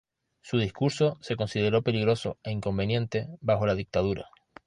Su discurso se consideró peligroso e inconveniente bajo la dictadura.